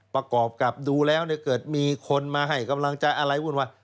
ประกอบกลับดูแล้วเกิดมีคนมาให้กำลังจานอะไรพูดว่า